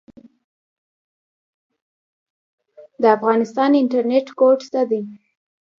د افغانستان انټرنیټ کوډ څه دی؟